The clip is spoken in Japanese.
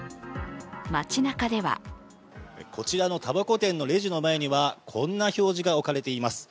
街なかではこちらのたばこ店のレジの前には、こんな表示が置かれています。